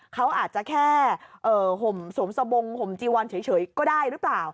เขาอาจจะแค่เอ่อผมสวมสะบงผมจีวอนเฉยเฉยก็ได้รึเปล่า